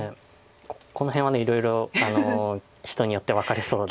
この辺はいろいろ人によって分かれそうです。